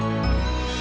jangan diem aja dong